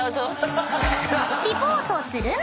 ［リポートするのは］